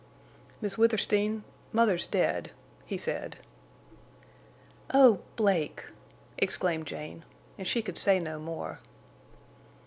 "Miss Withersteen, mother's dead," he said. "Oh—Blake!" exclaimed Jane, and she could say no more.